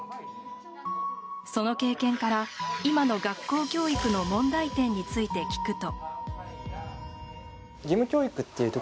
その経験から、今の学校教育の問題点について聞くと。